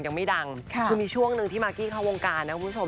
ยังไม่ดังคือมีช่วงหนึ่งที่มากกี้เข้าวงการนะคุณผู้ชม